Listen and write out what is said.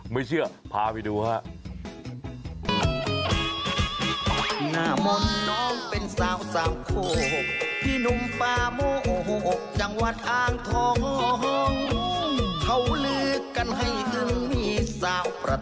ไม่เชื่อพาไปดูฮะ